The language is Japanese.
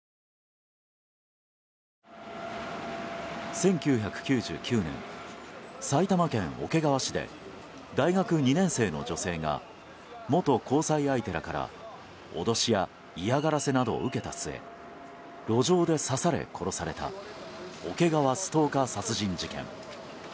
１９９９年、埼玉県桶川市で大学２年生の女性が元交際相手らから脅しや嫌がらせなどを受けた末路上で刺され、殺された桶川ストーカー殺人事件。